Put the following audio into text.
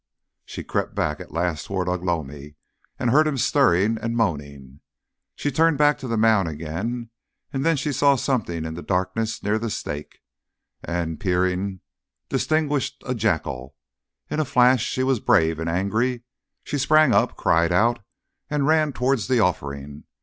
She crept back at last towards Ugh lomi and heard him stirring and moaning. She turned back to the mound again; then she saw something in the darkness near the stake, and peering distinguished a jackal. In a flash she was brave and angry; she sprang up, cried out, and ran towards the offering.